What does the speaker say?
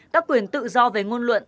các quyền tự do về ngôn luận